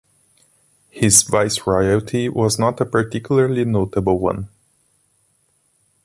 His viceroyalty was not a particularly notable one.